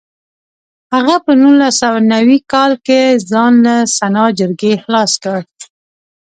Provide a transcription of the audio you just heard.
هغه په نولس سوه نوي کال کې ځان له سنا جرګې خلاص کړ.